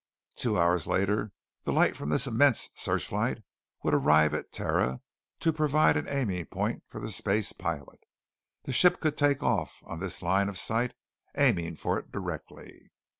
Two hours later the light from this immense searchlight would arrive at Terra to provide an aiming point for the space pilot. The ship could take off on this line of sight, aiming for it directly.